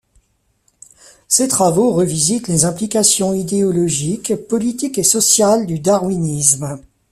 Ses travaux revisitent les implications idéologiques, politiques et sociales du darwinisme.